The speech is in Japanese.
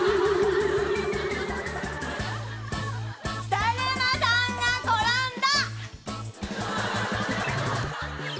だるまさんが転んだ！